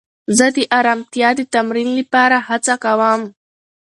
زه د ارامتیا د تمرین لپاره هڅه کوم.